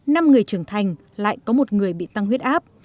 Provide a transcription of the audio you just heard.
năm người trưởng thành lại có một người bị tăng huyết áp